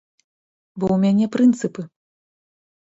Бо ў мяне прынцыпы!